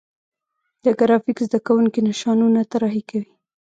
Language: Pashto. د ګرافیک زده کوونکي نشانونه طراحي کوي.